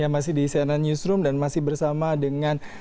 ya masih di si anand newsroom dan masih bersama dengan mas gusmis